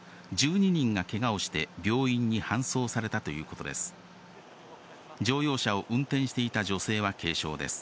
１２人がけがをして病院に搬送されたということです。